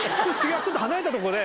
ちょっと離れたとこで。